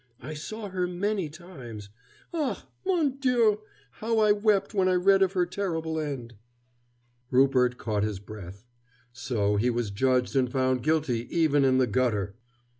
I saw her many times. Ah, mon Dieu, how I wept when I read of her terrible end!" Rupert caught his breath. So he was judged and found guilty even in the gutter!